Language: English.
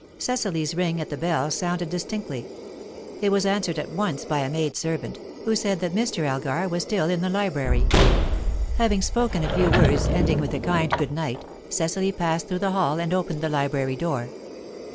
Cecily's ring at the bell sounded distinctly; it was answered at once by a maid servant, who said that Mr. Elgar was still in the library. Having spoken a few words, ending with a kind good night, Cecily passed through the hall and opened the library door.